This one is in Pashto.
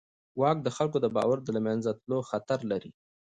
واک د خلکو د باور د له منځه تلو خطر لري.